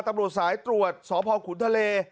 ตำรวจสายตรวจสพขุนทะเล